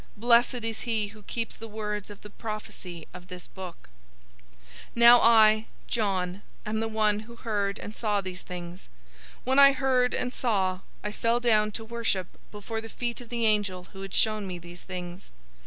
Blessed is he who keeps the words of the prophecy of this book." 022:008 Now I, John, am the one who heard and saw these things. When I heard and saw, I fell down to worship before the feet of the angel who had shown me these things.